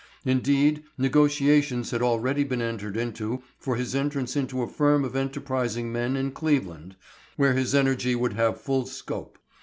Indeed, negotiations had already been entered into for his entrance into a firm of enterprising men in Cleveland, where his energy would have full scope.